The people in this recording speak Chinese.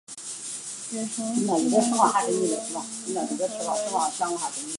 远程性爱技术事实上已与成人在线网络摄像头服务和某些性玩具融为一体。